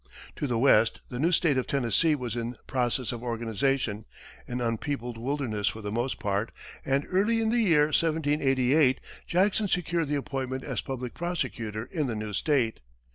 To the west, the new state of Tennessee was in process of organization an unpeopled wilderness for the most part and early in the year 1788, Jackson secured the appointment as public prosecutor in the new state.